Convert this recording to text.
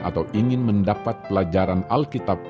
atau ingin mendapat pelajaran alkitab